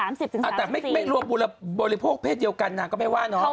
ไม่รวมบุรบบริโภคเพศเดียวกันนะก็ไม่ว่าเนอะ